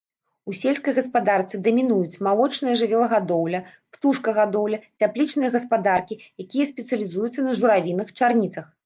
У сельскай гаспадарцы дамінуюць малочная жывёлагадоўля, птушкагадоўля, цяплічныя гаспадаркі, якія спецыялізуюцца на журавінах, чарніцах.